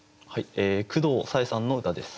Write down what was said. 久藤さえさんの歌です。